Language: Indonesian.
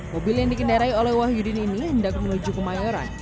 mobil yang dikendarai oleh wahyudin ini hendak menuju kemayoran